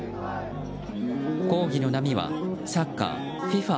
抗議の波は、サッカーＦＩＦＡ